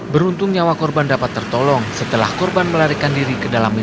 beruntung nyawa korban dapat tertolong setelah korban melarikan diri ke dalam